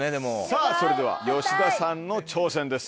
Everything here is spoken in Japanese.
さぁそれでは吉田さんの挑戦です。